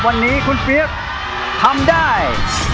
วันนี้คุณฟีฟทำได้